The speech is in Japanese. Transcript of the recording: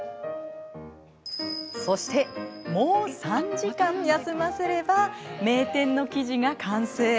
そして、もう３時間休ませれば名店の生地が完成。